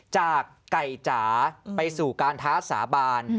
จากไก่จ๋าไปสู่การท้าสาบาน